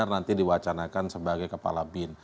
ini tidak ada kegaduhan